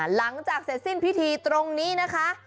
หลังจากเสร็จสิ้นพิธีตรงนี้นะคะ